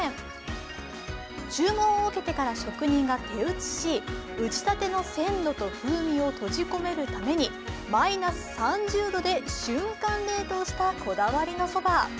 注文を受けてから職人が手打ちし打ちたての鮮度と風味を閉じ込めるためにマイナス３０度で瞬間冷凍したこだわりのそば。